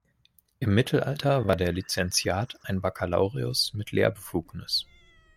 Im Mittelalter war der Lizenziat ein Bakkalaureus mit Lehrbefugnis.